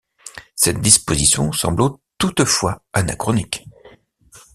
Cette disposition semble toutefois anachronique.